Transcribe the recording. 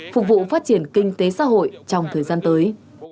phục vụ phát triển kinh tế xã hội trong thời gian tới